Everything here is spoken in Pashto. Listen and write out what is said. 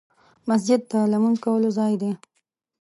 مسجد د لمونځ کولو ځای دی .